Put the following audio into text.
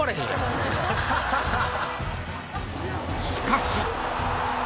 ［しかし］